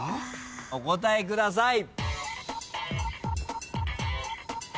お答えください。